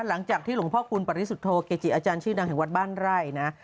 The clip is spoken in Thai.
หลังจากที่หลวงพ่อคูณปริสุทธโธเกจิอาจารย์ชื่อดังแห่งวัดบ้านไร่นะ